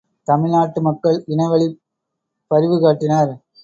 தமிழ் நாட்டு மக்கள் இனவழிப் பரிவு காட்டினர்.